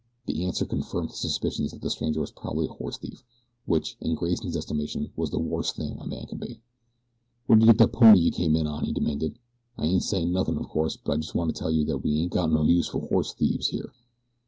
The answer confirmed his suspicions that the stranger was probably a horse thief, which, in Grayson's estimation, was the worst thing a man could be. "Where did you get that pony you come in on?" he demanded. "I ain't sayin' nothin' of course, but I jest want to tell you that we ain't got no use for horse thieves here."